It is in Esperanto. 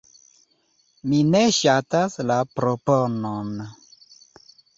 Mi ne ŝatas la proponon.